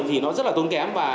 thì nó rất là tốn kém